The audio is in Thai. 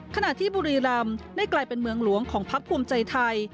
ขณะที่บุรีรำได้กลายเป็นเมืองหลวงของพักภูมิใจไทย